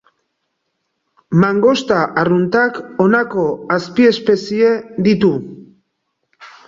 Mangosta arruntak honako azpiespezie ditu.